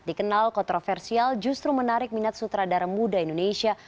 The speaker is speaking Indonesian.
dikenal kontroversial justru menarik minat sutradara muda indonesia